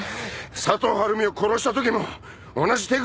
佐藤晴美を殺した時も同じ手口使ったろう！